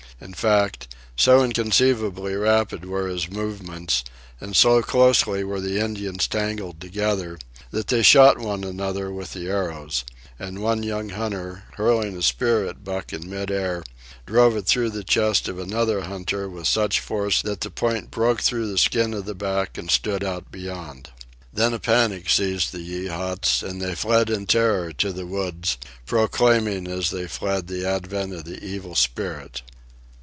In fact, so inconceivably rapid were his movements, and so closely were the Indians tangled together, that they shot one another with the arrows; and one young hunter, hurling a spear at Buck in mid air, drove it through the chest of another hunter with such force that the point broke through the skin of the back and stood out beyond. Then a panic seized the Yeehats, and they fled in terror to the woods, proclaiming as they fled the advent of the Evil Spirit.